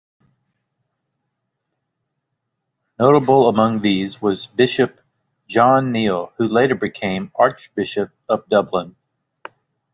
Notable among these was Bishop John Neill who later became Archbishop of Dublin.